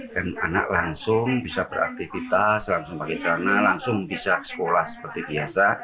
dan anak langsung bisa beraktivitas langsung pakai celana langsung bisa sekolah seperti biasa